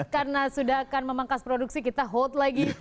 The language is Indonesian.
karena sudah akan memangkas produksi kita hold lagi